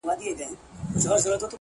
راته مه ګوره میدان د ښکلیو نجونو،